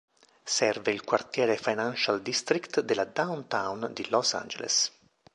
Serve il quartiere Financial District della Downtown di Los Angeles.